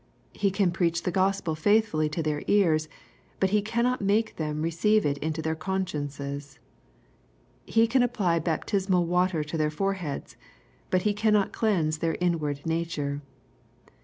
He can preach the Gospel feithfuUy to their ears, but he cannot make them receive it into their consciences. He can apply baptismal water to their foreheads, but he cannot cleanse their inward nature.